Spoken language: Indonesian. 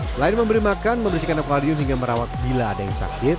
selain memberi makan membersihkan akwarium hingga merawat bila ada yang sakit